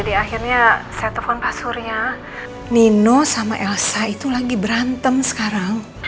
nino sama elsa itu lagi berantem sekarang